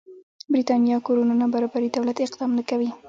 برېتانيا کورونو نابرابري دولت اقدام نه کموي.